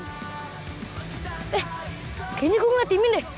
eh kayaknya gue ngeliat imin deh